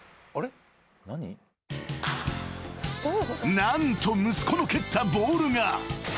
［何と息子の蹴ったボールが］